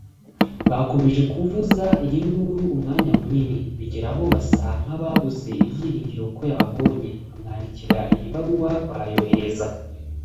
Bakomeje kuvuza iyi nduru umwanya munini bigeraho basa nk’ababuze ibyiringiro ko yababonye bamwandikira ibaruwa barayohereza